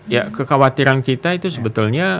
ya kekhawatiran kita itu sebetulnya